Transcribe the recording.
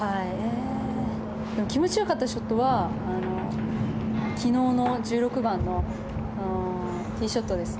気持ちよかったショットは昨日の１６番のティーショットです。